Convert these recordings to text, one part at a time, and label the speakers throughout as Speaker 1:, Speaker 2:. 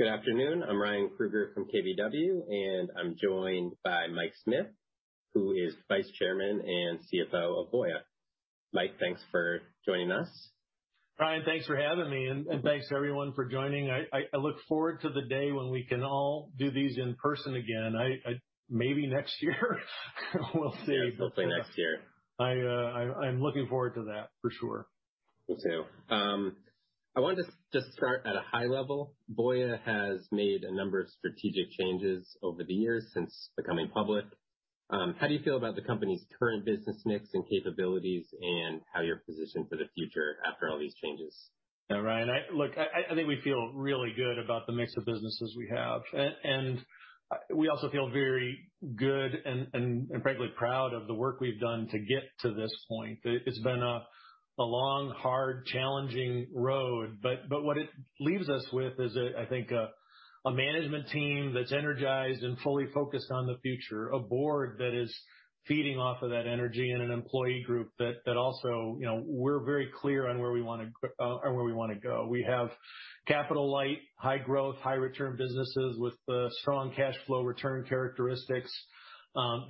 Speaker 1: Good afternoon. I'm Ryan Krueger from KBW, and I'm joined by Mike Smith, who is Vice Chairman and CFO of Voya. Mike, thanks for joining us.
Speaker 2: Ryan, thanks for having me, and thanks, everyone, for joining. I look forward to the day when we can all do these in person again. Maybe next year. We'll see.
Speaker 1: Yeah. Hopefully next year.
Speaker 2: I'm looking forward to that, for sure.
Speaker 1: Me too. I wanted to just start at a high level. Voya has made a number of strategic changes over the years since becoming public. How do you feel about the company's current business mix and capabilities and how you're positioned for the future after all these changes?
Speaker 2: Yeah, Ryan. Look, I think we feel really good about the mix of businesses we have. We also feel very good and frankly proud of the work we've done to get to this point. It's been a long, hard, challenging road, but what it leaves us with is, I think, a management team that's energized and fully focused on the future, a board that is feeding off of that energy, and an employee group that also, we're very clear on where we want to go. We have capital-light, high growth, high return businesses with strong cash flow return characteristics.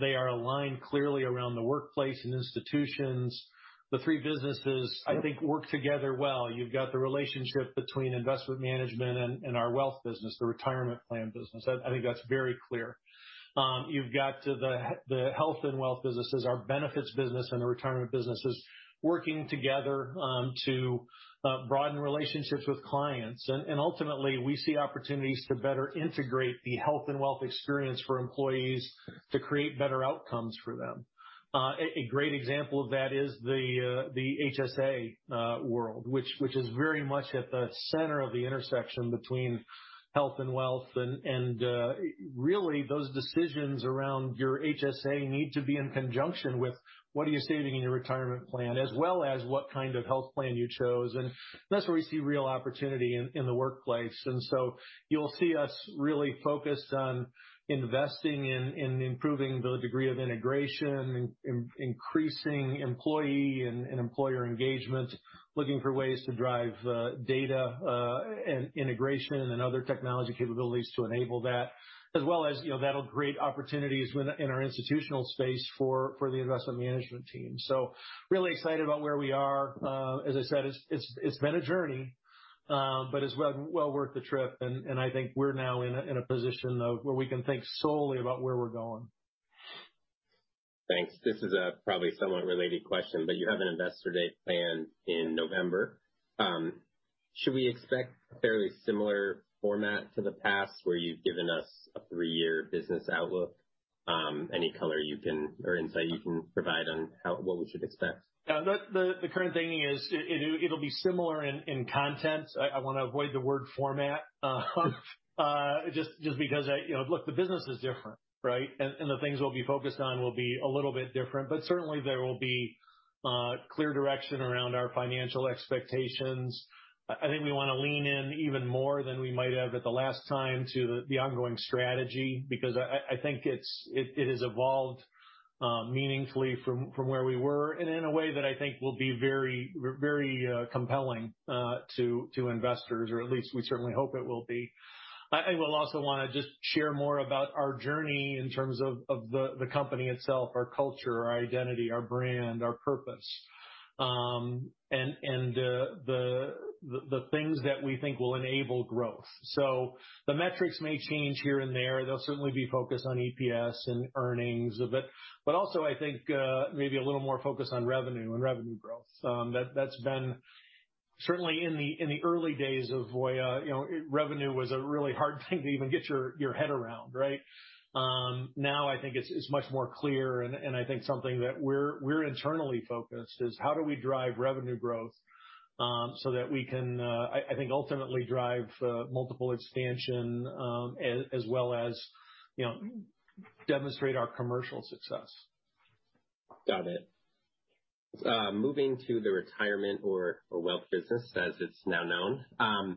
Speaker 2: They are aligned clearly around the workplace and institutions. The three businesses, I think, work together well. You've got the relationship between Investment Management and our wealth business, the retirement plan business. I think that's very clear. You've got the health and wealth businesses, our benefits business, and the retirement businesses working together to broaden relationships with clients. Ultimately, we see opportunities to better integrate the health and wealth experience for employees to create better outcomes for them. A great example of that is the HSA world, which is very much at the center of the intersection between health and wealth. Really, those decisions around your HSA need to be in conjunction with what are you saving in your retirement plan, as well as what kind of health plan you chose. That's where we see real opportunity in the workplace. So you'll see us really focused on investing in improving the degree of integration, increasing employee and employer engagement, looking for ways to drive data and integration and other technology capabilities to enable that. As well as that'll create opportunities in our institutional space for the Investment Management team. Really excited about where we are. As I said, it's been a journey, but it's well worth the trip, I think we're now in a position where we can think solely about where we're going.
Speaker 1: Thanks. This is a probably somewhat related question, but you have an Investor Day planned in November. Should we expect a fairly similar format to the past, where you've given us a three-year business outlook? Any color or insight you can provide on what we should expect?
Speaker 2: The current thinking is it'll be similar in content. I want to avoid the word format. Just because, look, the business is different, right? The things we'll be focused on will be a little bit different. Certainly, there will be clear direction around our financial expectations. I think we want to lean in even more than we might have at the last time to the ongoing strategy, because I think it has evolved meaningfully from where we were, and in a way that I think will be very compelling to investors, or at least we certainly hope it will be. I will also want to just share more about our journey in terms of the company itself, our culture, our identity, our brand, our purpose, and the things that we think will enable growth. The metrics may change here and there. They'll certainly be focused on EPS and earnings, but also, I think maybe a little more focused on revenue and revenue growth. Certainly in the early days of Voya, revenue was a really hard thing to even get your head around, right? Now I think it's much more clear, and I think something that we're internally focused is how do we drive revenue growth so that we can, I think, ultimately drive multiple expansion as well as demonstrate our commercial success.
Speaker 1: Got it. Moving to the retirement or wealth business, as it's now known.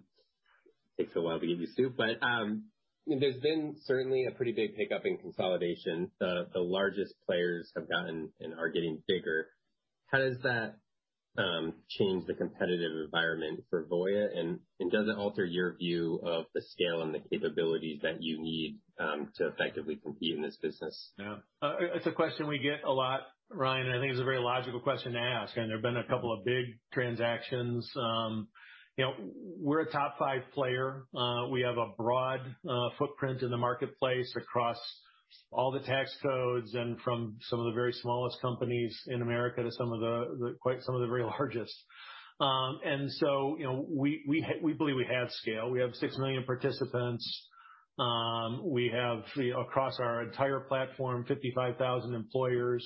Speaker 1: Takes a while to get used to. There's been certainly a pretty big pickup in consolidation. The largest players have gotten and are getting bigger. How does that change the competitive environment for Voya, and does it alter your view of the scale and the capabilities that you need to effectively compete in this business?
Speaker 2: Yeah. It's a question we get a lot, Ryan. I think it's a very logical question to ask. There have been a couple of big transactions. We're a top five player. We have a broad footprint in the marketplace across all the tax codes and from some of the very smallest companies in America to some of the very largest. We believe we have scale. We have 6 million participants. We have, across our entire platform, 55,000 employers.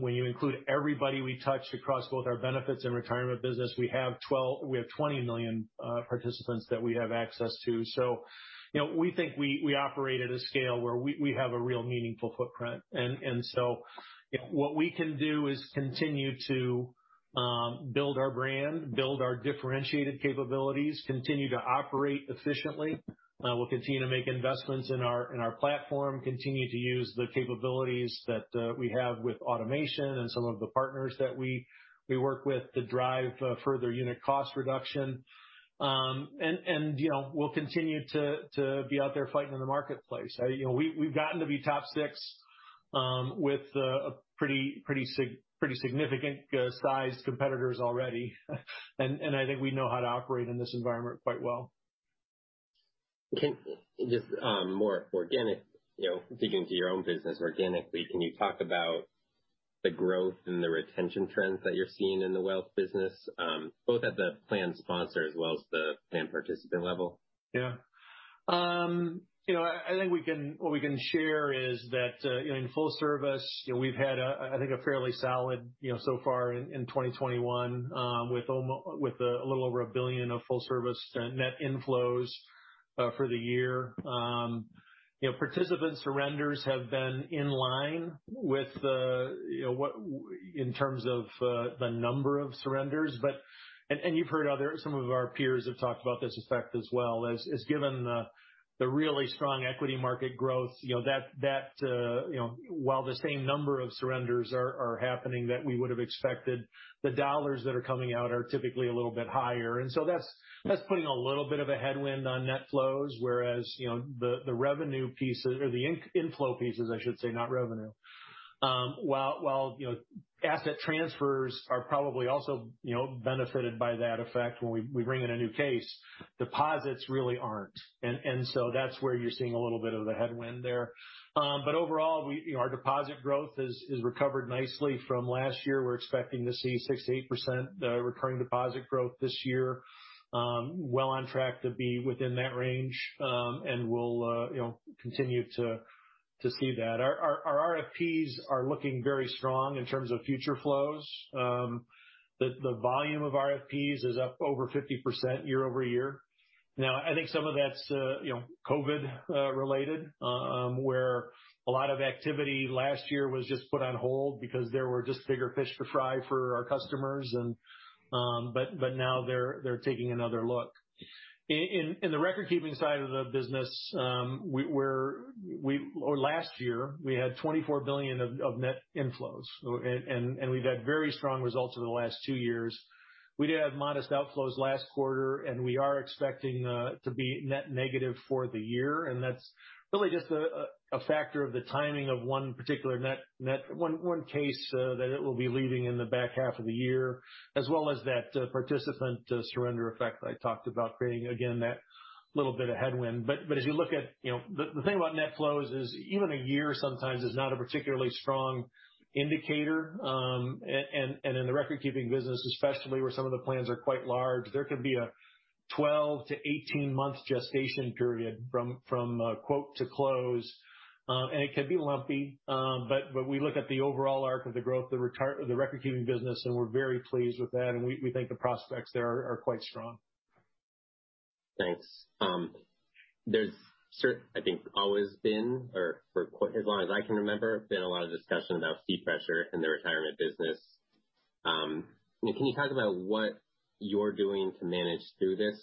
Speaker 2: When you include everybody we touch across both our benefits and retirement business, we have 20 million participants that we have access to. We think we operate at a scale where we have a real meaningful footprint. What we can do is continue to build our brand, build our differentiated capabilities, continue to operate efficiently. We'll continue to make investments in our platform, continue to use the capabilities that we have with automation and some of the partners that we work with to drive further unit cost reduction. We'll continue to be out there fighting in the marketplace. We've gotten to be top six with pretty significant size competitors already. I think we know how to operate in this environment quite well.
Speaker 1: Okay. Just more organic, digging into your own business organically, can you talk about the growth and the retention trends that you're seeing in the wealth business, both at the plan sponsor as well as the plan participant level?
Speaker 2: Yeah. I think what we can share is that in full service, we've had a fairly solid so far in 2021, with a little over $1 billion of full service net inflows for the year. Participant surrenders have been in line in terms of the number of surrenders. You've heard some of our peers have talked about this effect as well, is given the really strong equity market growth, while the same number of surrenders are happening that we would've expected, the dollars that are coming out are typically a little bit higher. That's putting a little bit of a headwind on net flows, whereas the revenue pieces or the inflow pieces, I should say, not revenue. Asset transfers are probably also benefited by that effect when we bring in a new case, deposits really aren't. That's where you're seeing a little bit of the headwind there. Overall, our deposit growth has recovered nicely from last year. We're expecting to see 6%-8% recurring deposit growth this year, well on track to be within that range. We'll continue to see that. Our RFPs are looking very strong in terms of future flows. The volume of RFPs is up over 50% year-over-year. I think some of that's COVID related, where a lot of activity last year was just put on hold because there were just bigger fish to fry for our customers. Now they're taking another look. In the record keeping side of the business, last year we had $24 billion of net inflows. We've had very strong results over the last two years. We did have modest outflows last quarter. We are expecting to be net negative for the year. That's really just a factor of the timing of one particular case that it will be leaving in the back half of the year, as well as that participant surrender effect that I talked about creating, again, that little bit of headwind. The thing about net flows is even a year sometimes is not a particularly strong indicator. In the record keeping business, especially where some of the plans are quite large, there could be a 12-18 month gestation period from quote to close. It can be lumpy. We look at the overall arc of the growth of the record keeping business. We're very pleased with that. We think the prospects there are quite strong.
Speaker 1: Thanks. There's, I think, always been or for as long as I can remember, a lot of discussion about fee pressure in the retirement business. Can you talk about what you're doing to manage through this?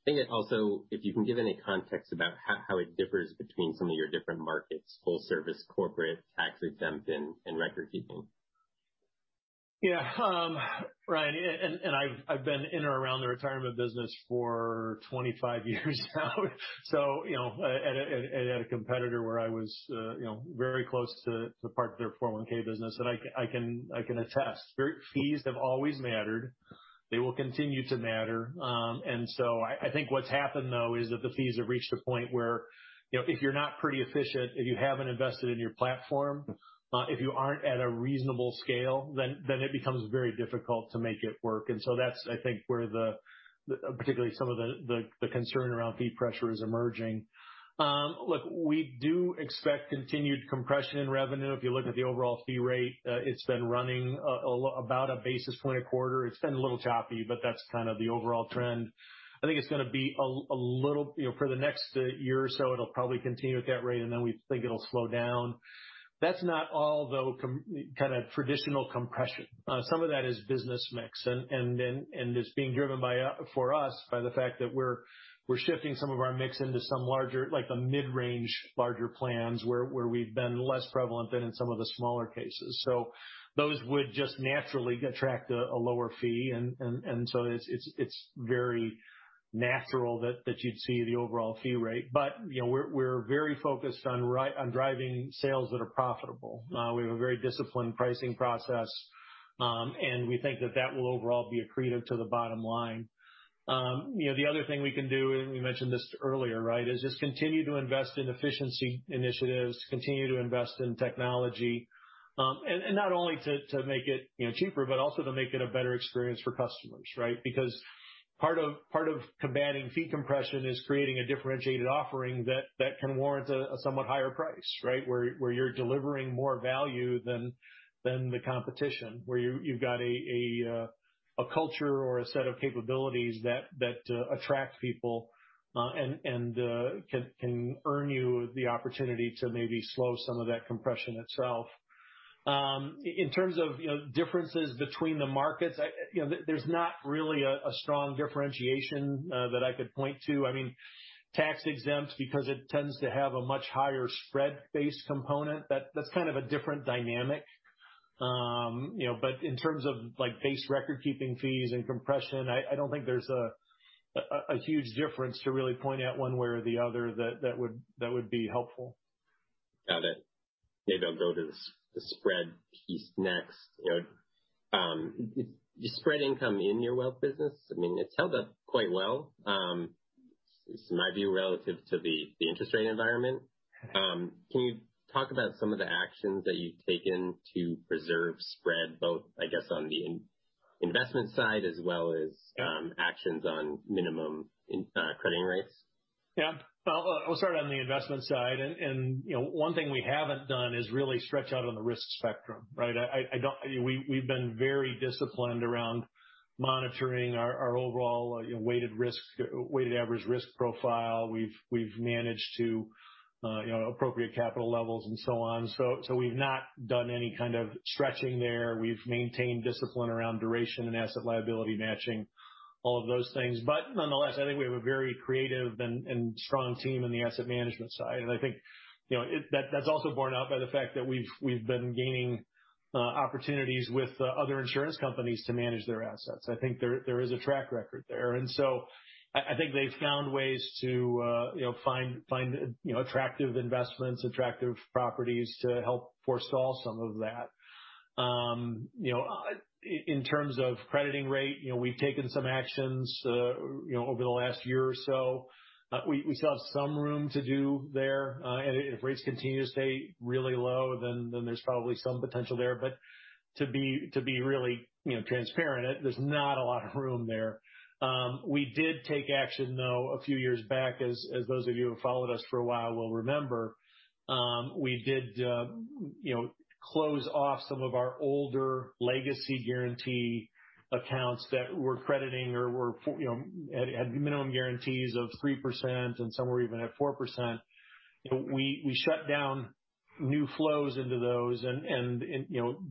Speaker 1: I think that also if you can give any context about how it differs between some of your different markets, full service, corporate, tax exempt, and record keeping.
Speaker 2: Yeah. Ryan, I've been in or around the retirement business for 25 years now at a competitor where I was very close to part of their 401(k) business. I can attest. Fees have always mattered. They will continue to matter. I think what's happened, though, is that the fees have reached a point where if you're not pretty efficient, if you haven't invested in your platform, if you aren't at a reasonable scale, then it becomes very difficult to make it work. That's, I think, where particularly some of the concern around fee pressure is emerging. Look, we do expect continued compression in revenue. If you look at the overall fee rate, it's been running about a basis point a quarter. It's been a little choppy, that's kind of the overall trend. I think for the next year or so, it'll probably continue at that rate, and then we think it'll slow down. That's not all, though, kind of traditional compression. Some of that is business mix and it's being driven for us by the fact that we're shifting some of our mix into some larger, like the mid-range larger plans where we've been less prevalent than in some of the smaller cases. Those would just naturally attract a lower fee and so it's very natural that you'd see the overall fee rate. We're very focused on driving sales that are profitable. We have a very disciplined pricing process. We think that that will overall be accretive to the bottom line. The other thing we can do, and we mentioned this earlier, is just continue to invest in efficiency initiatives, continue to invest in technology. Not only to make it cheaper, but also to make it a better experience for customers. Because part of combating fee compression is creating a differentiated offering that can warrant a somewhat higher price. Where you're delivering more value than the competition, where you've got a culture or a set of capabilities that attract people and can earn you the opportunity to maybe slow some of that compression itself. In terms of differences between the markets, there's not really a strong differentiation that I could point to. Tax exempt because it tends to have a much higher spread-based component. That's kind of a different dynamic. In terms of base record keeping fees and compression, I don't think there's a huge difference to really point out one way or the other that would be helpful.
Speaker 1: Got it. Maybe I'll go to the spread piece next. You spread income in your wealth business. It's held up quite well, it's my view, relative to the interest rate environment. Can you talk about some of the actions that you've taken to preserve spread, both, I guess, on the investment side as well as actions on minimum crediting rates?
Speaker 2: Yeah. I'll start on the investment side. One thing we haven't done is really stretch out on the risk spectrum, right? We've been very disciplined around monitoring our overall weighted average risk profile. We've managed to appropriate capital levels and so on. We've not done any kind of stretching there. We've maintained discipline around duration and asset liability matching, all of those things. Nonetheless, I think we have a very creative and strong team on the asset management side. I think that's also borne out by the fact that we've been gaining opportunities with other insurance companies to manage their assets. I think there is a track record there. I think they've found ways to find attractive investments, attractive properties to help forestall some of that. In terms of crediting rate, we've taken some actions over the last year or so. We still have some room to do there. If rates continue to stay really low, then there's probably some potential there. To be really transparent, there's not a lot of room there. We did take action, though, a few years back, as those of you who have followed us for a while will remember. We did close off some of our older legacy guarantee accounts that were crediting or had minimum guarantees of 3%, and some were even at 4%. We shut down new flows into those and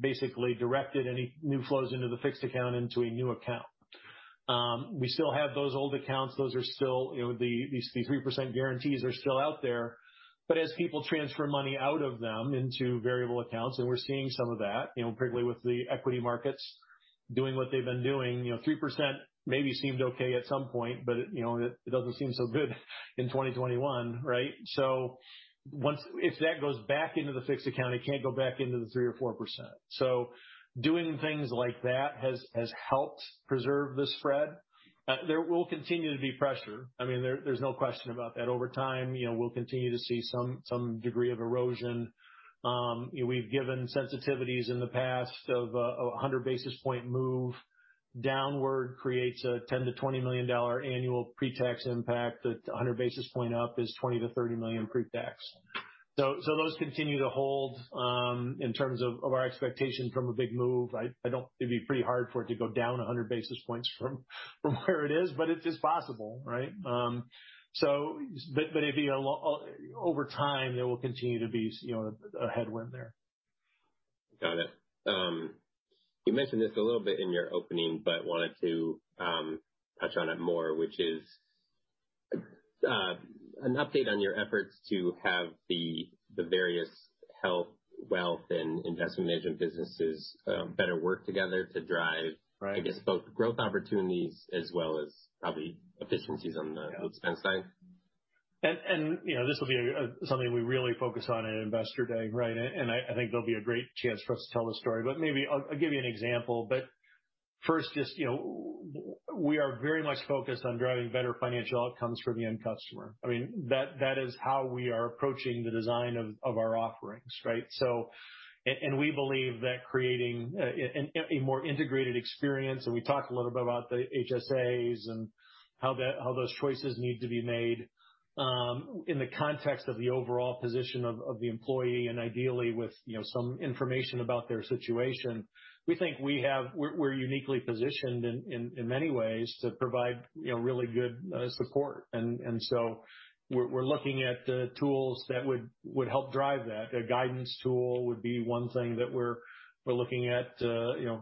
Speaker 2: basically directed any new flows into the fixed account into a new account. We still have those old accounts. These 3% guarantees are still out there. As people transfer money out of them into variable accounts, and we're seeing some of that, particularly with the equity markets doing what they've been doing, 3% maybe seemed okay at some point, but it doesn't seem so good in 2021, right? If that goes back into the fixed account, it can't go back into the 3% or 4%. Doing things like that has helped preserve the spread. There will continue to be pressure. There's no question about that. Over time, we'll continue to see some degree of erosion. We've given sensitivities in the past of a 100 basis point move downward creates a $10 million-$20 million annual pre-tax impact. At 100 basis point up is $20 million-$30 million pre-tax. Those continue to hold in terms of our expectations from a big move. It'd be pretty hard for it to go down 100 basis points from where it is, but it's possible, right? Over time, there will continue to be a headwind there.
Speaker 1: Got it. You mentioned this a little bit in your opening, but wanted to touch on it more, which is an update on your efforts to have the various health, wealth, and Investment Management businesses better work together to drive, I guess, both growth opportunities as well as probably efficiencies on the expense side.
Speaker 2: This will be something we really focus on at Investor Day, right? I think there'll be a great chance for us to tell the story. Maybe I'll give you an example. First, just we are very much focused on driving better financial outcomes for the end customer. That is how we are approaching the design of our offerings, right? We believe that creating a more integrated experience, and we talked a little bit about the HSAs and how those choices need to be made in the context of the overall position of the employee, and ideally with some information about their situation. We think we're uniquely positioned in many ways to provide really good support. So we're looking at tools that would help drive that. A guidance tool would be one thing that we're looking at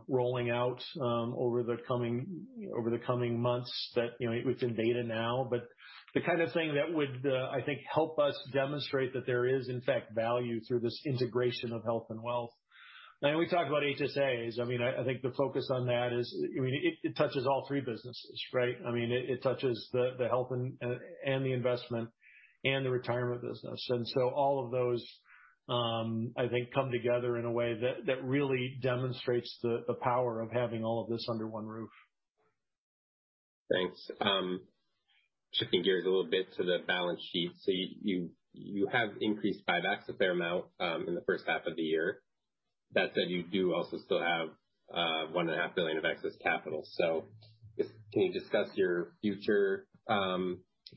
Speaker 2: rolling out over the coming months that it's in beta now. The kind of thing that would I think help us demonstrate that there is, in fact, value through this integration of health and wealth. We talked about HSAs. I think the focus on that is it touches all three businesses, right? It touches the health and the investment and the retirement business. All of those I think come together in a way that really demonstrates the power of having all of this under one roof.
Speaker 1: Thanks. Shifting gears a little bit to the balance sheet. You have increased buybacks a fair amount in the first half of the year. That said, you do also still have $1.5 billion of excess capital. Can you discuss your future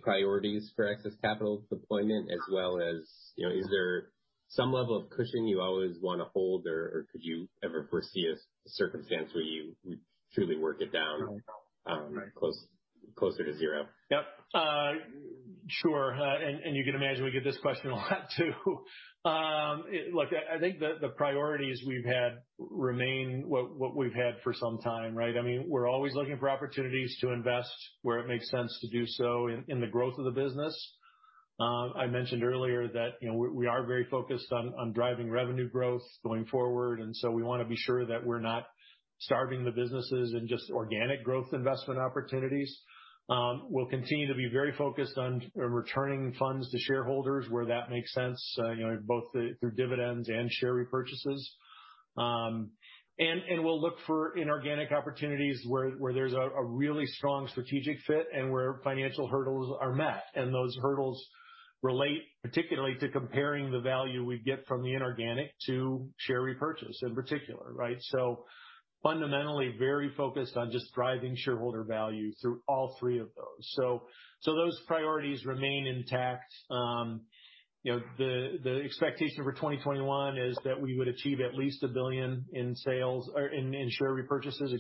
Speaker 1: priorities for excess capital deployment as well as, is there some level of cushion you always want to hold or could you ever foresee a circumstance where you would truly work it down closer to zero?
Speaker 2: Yep. Sure. You can imagine we get this question a lot, too. Look, I think the priorities we've had remain what we've had for some time, right? We're always looking for opportunities to invest where it makes sense to do so in the growth of the business. I mentioned earlier that we are very focused on driving revenue growth going forward, we want to be sure that we're not starving the businesses in just organic growth investment opportunities. We'll continue to be very focused on returning funds to shareholders where that makes sense, both through dividends and share repurchases. We'll look for inorganic opportunities where there's a really strong strategic fit and where financial hurdles are met. Those hurdles relate particularly to comparing the value we get from the inorganic to share repurchase in particular, right? Fundamentally very focused on just driving shareholder value through all three of those. Those priorities remain intact. The expectation for 2021 is that we would achieve at least $1 billion in share repurchases.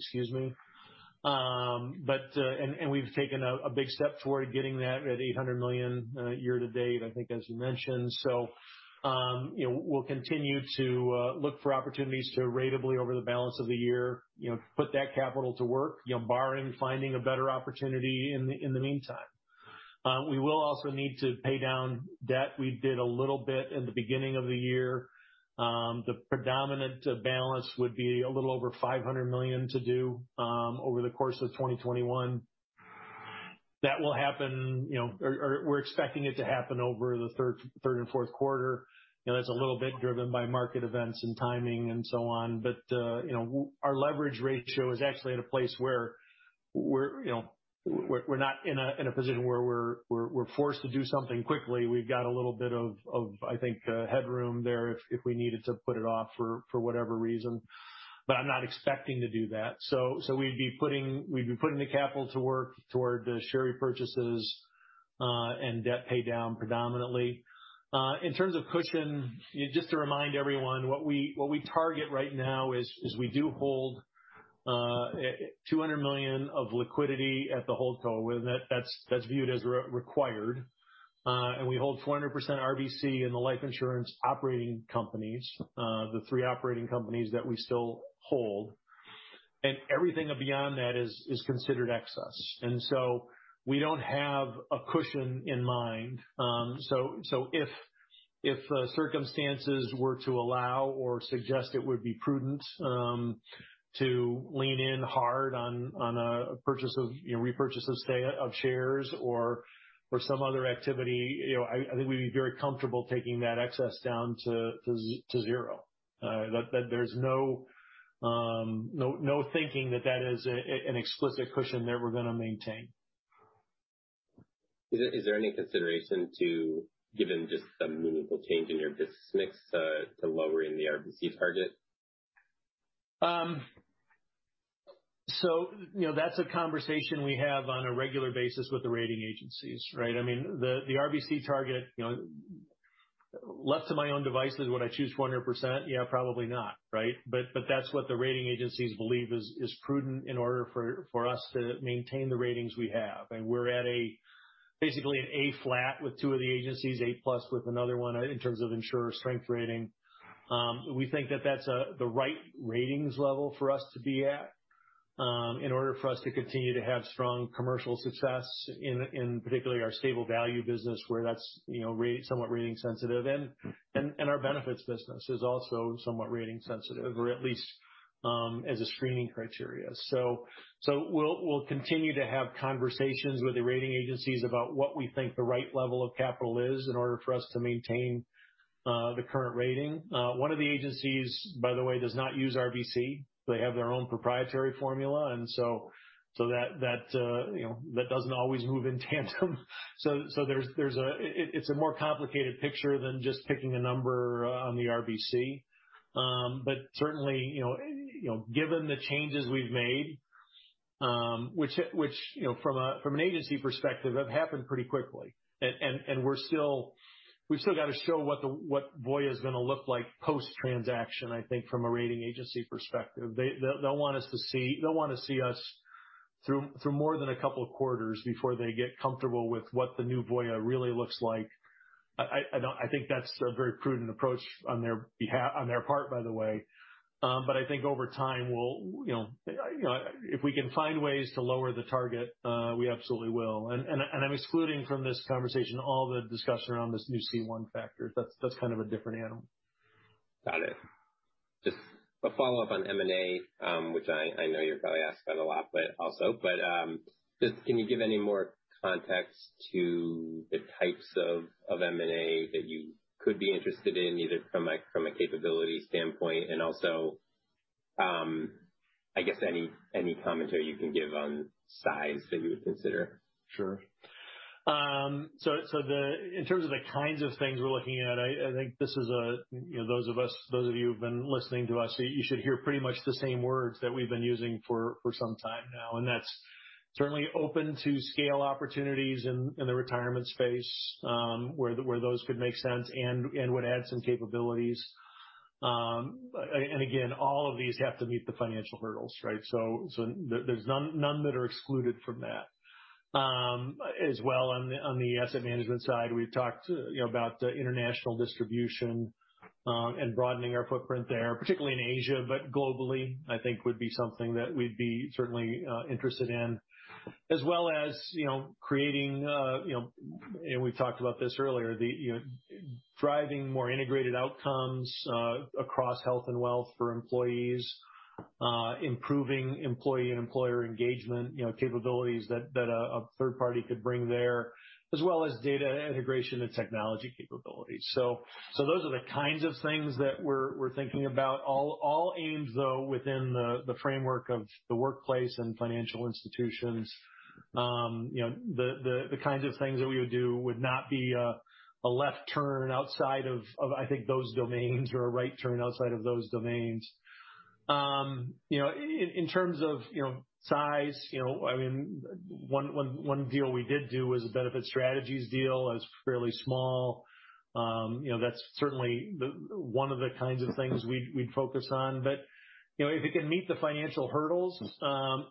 Speaker 2: We've taken a big step toward getting that at $800 million year to date, I think, as you mentioned. We'll continue to look for opportunities to ratably over the balance of the year, put that capital to work, barring finding a better opportunity in the meantime. We will also need to pay down debt. We did a little bit at the beginning of the year. The predominant balance would be a little over $500 million to do over the course of 2021. We're expecting it to happen over the third and fourth quarter. That's a little bit driven by market events and timing and so on. Our leverage ratio is actually at a place where we're not in a position where we're forced to do something quickly. We've got a little bit of I think headroom there if we needed to put it off for whatever reason. I'm not expecting to do that. We'd be putting the capital to work toward the share repurchases and debt paydown predominantly. In terms of cushion, just to remind everyone, what we target right now is we do hold $200 million of liquidity at the holdco. That's viewed as required. We hold 400% RBC in the life insurance operating companies, the three operating companies that we still hold. Everything beyond that is considered excess. We don't have a cushion in mind. If circumstances were to allow or suggest it would be prudent to lean in hard on a repurchase of shares or some other activity, I think we'd be very comfortable taking that excess down to zero. There's no thinking that is an explicit cushion that we're going to maintain.
Speaker 1: Is there any consideration to, given just some meaningful change in your business mix, to lowering the RBC target?
Speaker 2: That's a conversation we have on a regular basis with the rating agencies, right? The RBC target, left to my own devices, would I choose 400%? Yeah, probably not, right? That's what the rating agencies believe is prudent in order for us to maintain the ratings we have. We're at basically an A flat with two of the agencies, A plus with another one in terms of insurer strength rating. We think that that's the right ratings level for us to be at in order for us to continue to have strong commercial success in particularly our stable value business where that's somewhat rating sensitive, our benefits business is also somewhat rating sensitive or at least as a screening criteria. We'll continue to have conversations with the rating agencies about what we think the right level of capital is in order for us to maintain the current rating. One of the agencies, by the way, does not use RBC. They have their own proprietary formula, that doesn't always move in tandem. It's a more complicated picture than just picking a number on the RBC. Certainly, given the changes we've made, which from an agency perspective have happened pretty quickly, and we've still got to show what Voya is going to look like post-transaction, I think from a rating agency perspective, they'll want to see us through more than a couple of quarters before they get comfortable with what the new Voya really looks like. I think that's a very prudent approach on their part, by the way. I think over time, if we can find ways to lower the target, we absolutely will. I'm excluding from this conversation all the discussion around this new C1 factor. That's kind of a different animal.
Speaker 1: Got it. Just a follow-up on M&A, which I know you're probably asked that a lot also, just can you give any more context to the types of M&A that you could be interested in, either from a capability standpoint and also any commentary you can give on size that you would consider?
Speaker 2: Sure. In terms of the kinds of things we're looking at, I think those of you who've been listening to us, you should hear pretty much the same words that we've been using for some time now, that's certainly open to scale opportunities in the retirement space, where those could make sense and would add some capabilities. Again, all of these have to meet the financial hurdles, right? There's none that are excluded from that. On the asset management side, we've talked about international distribution, and broadening our footprint there, particularly in Asia, but globally, I think would be something that we'd be certainly interested in as well as creating, and we've talked about this earlier, driving more integrated outcomes across health and wealth for employees, improving employee and employer engagement capabilities that a third party could bring there, as well as data integration and technology capabilities. Those are the kinds of things that we're thinking about. All aimed though within the framework of the workplace and financial institutions. The kinds of things that we would do would not be a left turn outside of, I think those domains or a right turn outside of those domains. In terms of size, one deal we did do was a Benefit Strategies deal. It was fairly small. That's certainly one of the kinds of things we'd focus on. If it can meet the financial hurdles,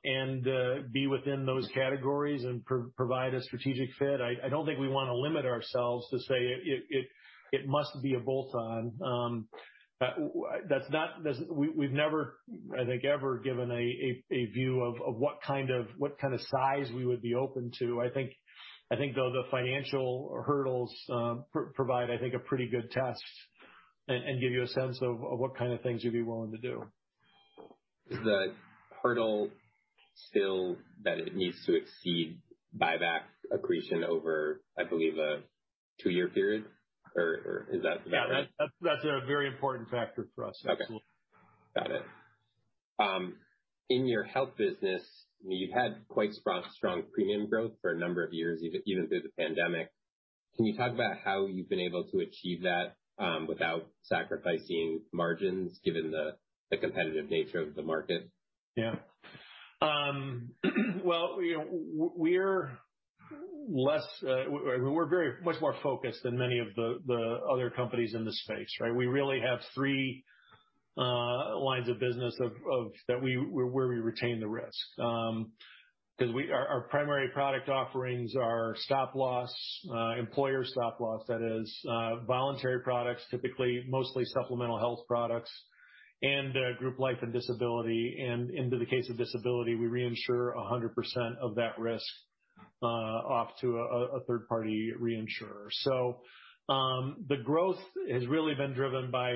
Speaker 2: and be within those categories and provide a strategic fit, I don't think we want to limit ourselves to say it must be a bolt-on. We've never, I think, ever given a view of what kind of size we would be open to. I think though the financial hurdles provide, I think a pretty good test and give you a sense of what kind of things you'd be willing to do.
Speaker 1: Is the hurdle still that it needs to exceed buyback accretion over, I believe, a two-year period?
Speaker 2: Yeah, that's a very important factor for us.
Speaker 1: Okay. Got it. In your health business, you've had quite strong premium growth for a number of years, even through the pandemic. Can you talk about how you've been able to achieve that, without sacrificing margins given the competitive nature of the market?
Speaker 2: Yeah. Well, we're much more focused than many of the other companies in the space, right? We really have three lines of business where we retain the risk. Because our primary product offerings are stop loss, employer stop loss that is, voluntary products, typically mostly supplemental health products, and group life and disability. Into the case of disability, we reinsure 100% of that risk off to a third party reinsurer. The growth has really been driven by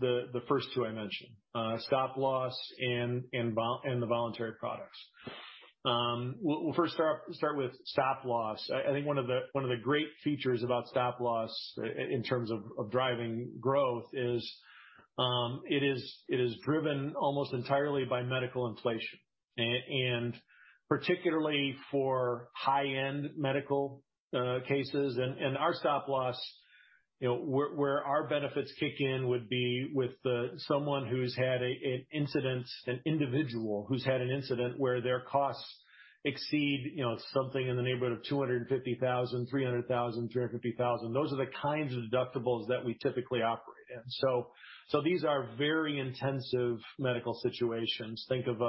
Speaker 2: the first two I mentioned, stop loss and the voluntary products. We'll first start with stop loss. I think one of the great features about stop loss in terms of driving growth is it is driven almost entirely by medical inflation and particularly for high-end medical cases. Our stop loss, where our benefits kick in would be with someone who's had an incident, an individual who's had an incident where their costs exceed something in the neighborhood of $250,000, $300,000, $350,000. Those are the kinds of deductibles that we typically operate in. These are very intensive medical situations. Think of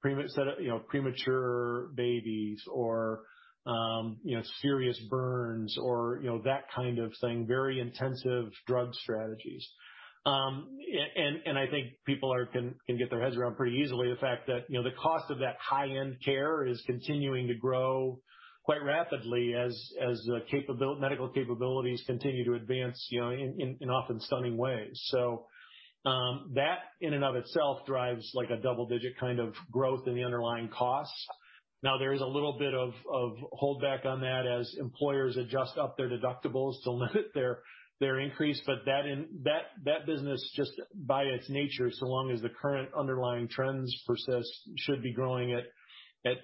Speaker 2: premature babies or serious burns or that kind of thing, very intensive drug strategies. I think people can get their heads around pretty easily the fact that the cost of that high-end care is continuing to grow quite rapidly as medical capabilities continue to advance in often stunning ways. That in and of itself drives a double-digit kind of growth in the underlying costs. Now, there is a little bit of holdback on that as employers adjust up their deductibles to limit their increase, that business just by its nature, so long as the current underlying trends persist, should be growing at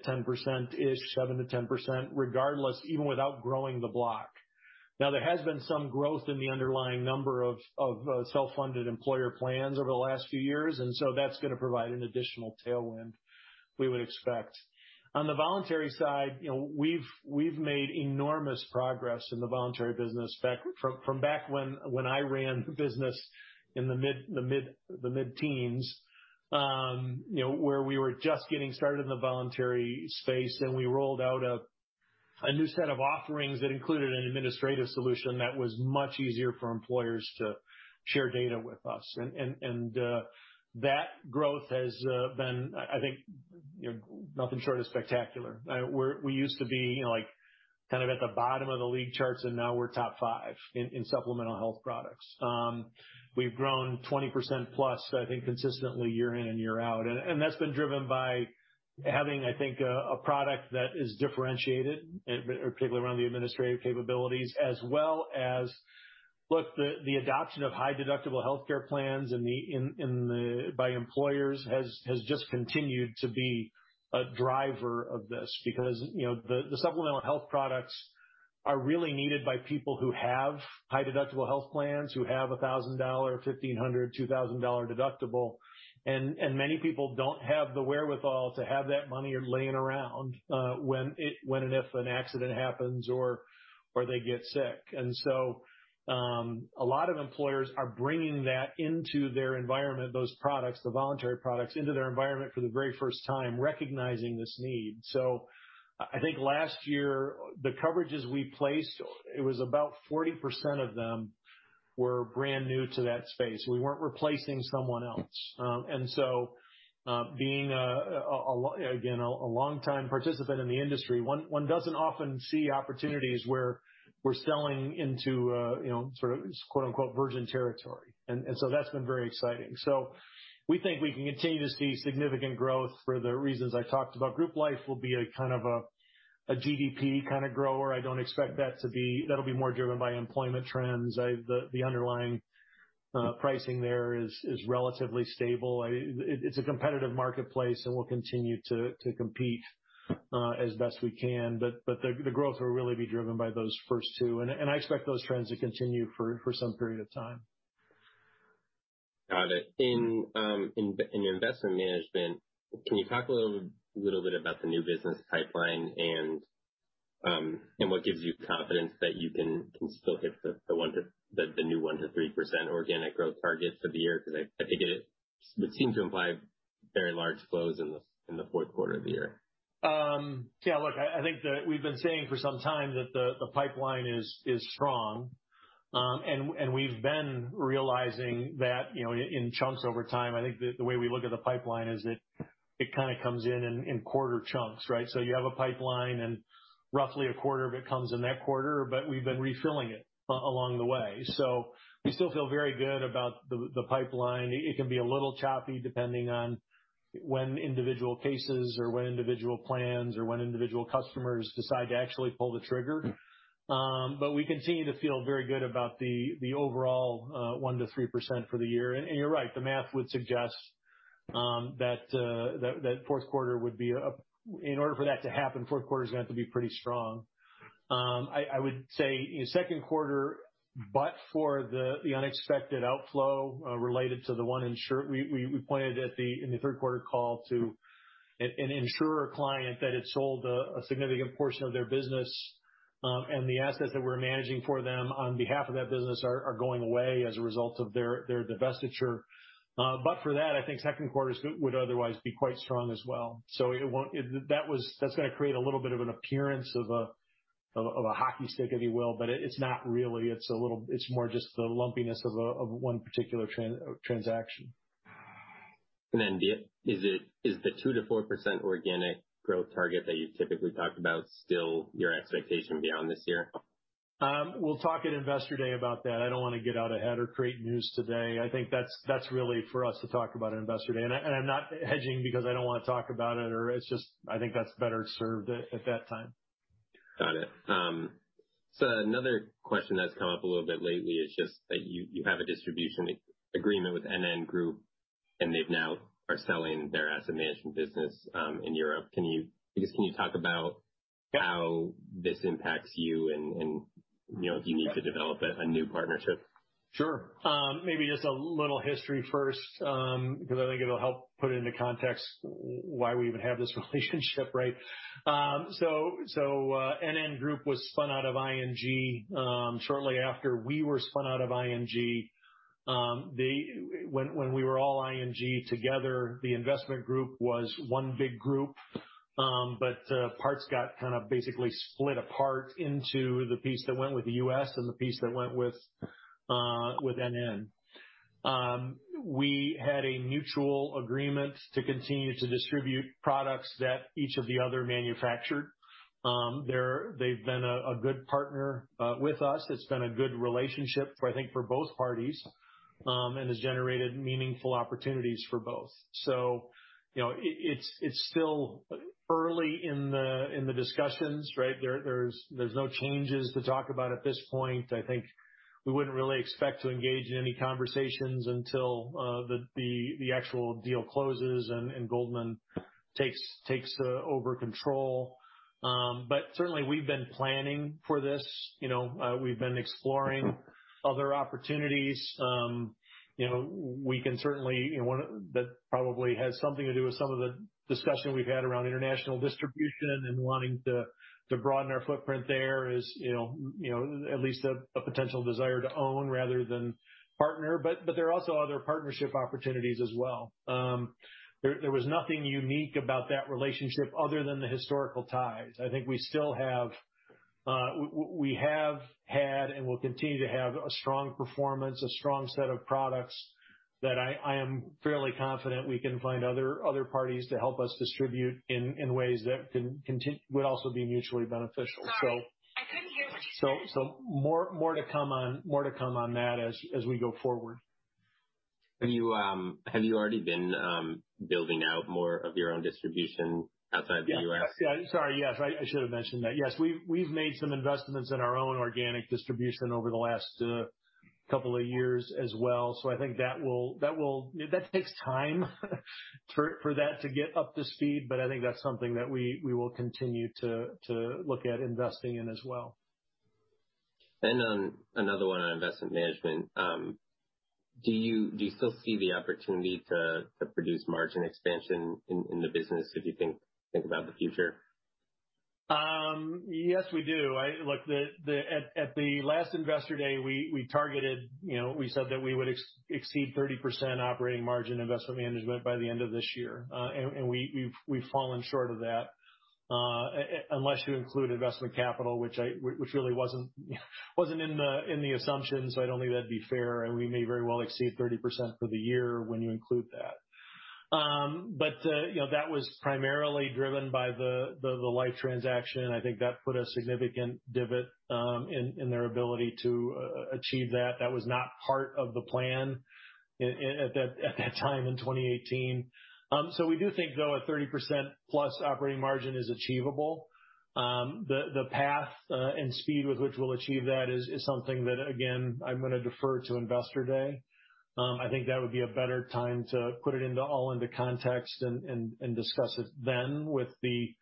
Speaker 2: 10%-ish, 7%-10%, regardless, even without growing the block. Now, there has been some growth in the underlying number of self-funded employer plans over the last few years, that's going to provide an additional tailwind we would expect. On the voluntary side, we've made enormous progress in the voluntary business from back when I ran the business in the mid-teens, where we were just getting started in the voluntary space, we rolled out a new set of offerings that included an administrative solution that was much easier for employers to share data with us. That growth has been, I think, nothing short of spectacular. We used to be kind of at the bottom of the league charts. Now we're top five in supplemental health products. We've grown 20%+, I think, consistently year in and year out. That's been driven by having, I think, a product that is differentiated, particularly around the administrative capabilities, as well as, look, the adoption of high deductible healthcare plans by employers has just continued to be a driver of this because the supplemental health products are really needed by people who have high deductible health plans, who have a $1,000, $1,500, $2,000 deductible. Many people don't have the wherewithal to have that money laying around when and if an accident happens or they get sick. A lot of employers are bringing that into their environment, those products, the voluntary products, into their environment for the very first time, recognizing this need. I think last year, the coverages we placed, it was about 40% of them were brand new to that space. We weren't replacing someone else. Being, again, a long-time participant in the industry, one doesn't often see opportunities where we're selling into sort of "virgin territory." That's been very exciting. We think we can continue to see significant growth for the reasons I talked about. Group life will be a kind of a GDP kind of grower. I don't expect that'll be more driven by employment trends. The underlying pricing there is relatively stable. It's a competitive marketplace, and we'll continue to compete as best we can. The growth will really be driven by those first two. I expect those trends to continue for some period of time.
Speaker 1: Got it. In your Investment Management, can you talk a little bit about the new business pipeline and what gives you confidence that you can still hit the new 1%-3% organic growth target for the year? I think it would seem to imply very large flows in the fourth quarter of the year.
Speaker 2: Look, I think that we've been saying for some time that the pipeline is strong. We've been realizing that in chunks over time. I think the way we look at the pipeline is it kind of comes in in quarter chunks, right? You have a pipeline, and roughly a quarter of it comes in that quarter, but we've been refilling it along the way. We still feel very good about the pipeline. It can be a little choppy depending on when individual cases or when individual plans or when individual customers decide to actually pull the trigger. We continue to feel very good about the overall 1%-3% for the year. You're right. The math would suggest that in order for that to happen, fourth quarter is going to have to be pretty strong. I would say in the second quarter, for the unexpected outflow related to the one insurer. We pointed in the third quarter call to an insurer client that had sold a significant portion of their business, and the assets that we're managing for them on behalf of that business are going away as a result of their divestiture. For that, I think second quarter would otherwise be quite strong as well. That's going to create a little bit of an appearance of a hockey stick, if you will. It's not really. It's more just the lumpiness of one particular transaction.
Speaker 1: Is the 2%-4% organic growth target that you typically talked about still your expectation beyond this year?
Speaker 2: We'll talk at Investor Day about that. I don't want to get out ahead or create news today. I think that's really for us to talk about at Investor Day. I'm not hedging because I don't want to talk about it. I think that's better served at that time.
Speaker 1: Got it. Another question that's come up a little bit lately is just that you have a distribution agreement with NN Group, they now are selling their asset management business in Europe. Can you talk about how this impacts you and if you need to develop a new partnership?
Speaker 2: Sure. Maybe just a little history first, because I think it'll help put into context why we even have this relationship, right? NN Group was spun out of ING shortly after we were spun out of ING. When we were all ING together, the investment group was one big group. Parts got kind of basically split apart into the piece that went with the U.S. and the piece that went with NN. We had a mutual agreement to continue to distribute products that each of the other manufactured. They've been a good partner with us. It's been a good relationship, I think, for both parties. Has generated meaningful opportunities for both. It's still early in the discussions, right? There's no changes to talk about at this point. I think we wouldn't really expect to engage in any conversations until the actual deal closes and Goldman takes over control. Certainly, we've been planning for this. We've been exploring other opportunities. That probably has something to do with some of the discussion we've had around international distribution and wanting to broaden our footprint there is at least a potential desire to own rather than partner. There are also other partnership opportunities as well. There was nothing unique about that relationship other than the historical ties. I think we have had and will continue to have a strong performance, a strong set of products that I am fairly confident we can find other parties to help us distribute in ways that would also be mutually beneficial. Sorry, I couldn't hear what you said. More to come on that as we go forward.
Speaker 1: Have you already been building out more of your own distribution outside the U.S.?
Speaker 2: Yeah. Sorry. Yes. I should have mentioned that. Yes. We've made some investments in our Organic distribution over the last couple of years as well. I think that takes time for that to get up to speed. I think that's something that we will continue to look at investing in as well.
Speaker 1: On another one on Investment Management, do you still see the opportunity to produce margin expansion in the business as you think about the future?
Speaker 2: Yes, we do. At the last Investor Day, we said that we would exceed 30% operating margin Investment Management by the end of this year. We've fallen short of that. Unless you include investment capital, which really wasn't in the assumptions. I don't think that'd be fair, and we may very well exceed 30% for the year when you include that. That was primarily driven by the Life transaction. I think that put a significant divot in their ability to achieve that. That was not part of the plan at that time in 2018. We do think, though, a 30% plus operating margin is achievable. The path and speed with which we'll achieve that is something that, again, I'm going to defer to Investor Day. I think that would be a better time to put it all into context and discuss it then with the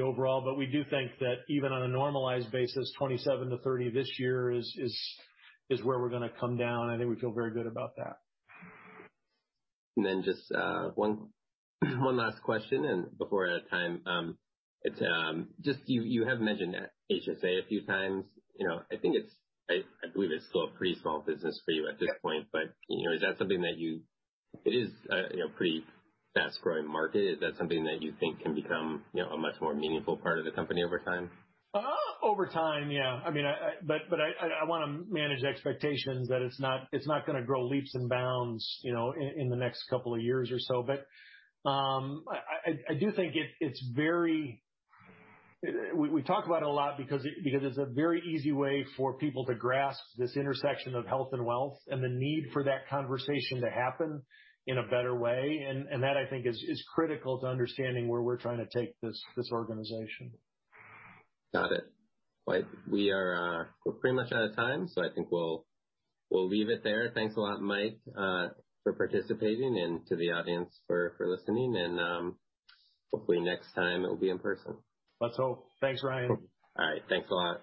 Speaker 2: overall. We do think that even on a normalized basis, 27%-30% this year is where we're going to come down. I think we feel very good about that.
Speaker 1: Just one last question and before we're out of time. You have mentioned HSA a few times. I believe it's still a pretty small business for you at this point. It is a pretty fast-growing market. Is that something that you think can become a much more meaningful part of the company over time?
Speaker 2: Over time, yeah. I want to manage the expectations that it's not going to grow leaps and bounds in the next couple of years or so. I do think it's We talk about it a lot because it's a very easy way for people to grasp this intersection of health and wealth, and the need for that conversation to happen in a better way. That, I think, is critical to understanding where we're trying to take this organization.
Speaker 1: Got it. We are pretty much out of time, I think we'll leave it there. Thanks a lot, Mike, for participating and to the audience for listening. Hopefully next time it will be in person.
Speaker 2: Let's hope. Thanks, Ryan.
Speaker 1: All right. Thanks a lot.